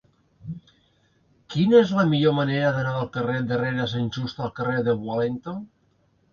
Quina és la millor manera d'anar del carrer de Rere Sant Just al carrer de Wellington?